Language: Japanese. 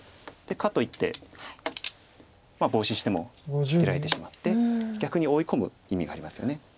かといってボウシしても出られてしまって逆に追い込む意味がありますよね。